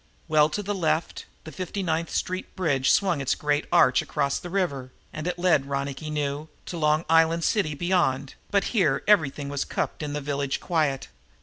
Well to the left, the Fifty ninth Street Bridge swung its great arch across the river, and it led, Ronicky knew, to Long Island City beyond, but here everything was cupped in the village quiet.